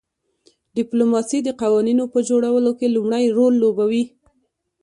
ډیپلوماسي د قوانینو په جوړولو کې لومړی رول لوبوي